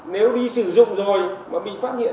nếu đi sử dụng rồi mà bị phát hiện